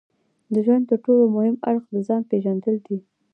د ژوند ترټولو مهم اړخ د ځان پېژندل دي.